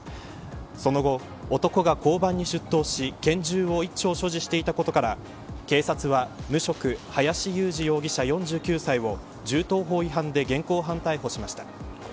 その後、男が交番に出頭し拳銃を一丁所持していたことから警察は無職、林雄司容疑者、４９歳を銃刀法違反で現行犯逮捕しました。